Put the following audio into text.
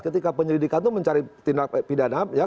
ketika penyelidikan itu mencari tindak pidana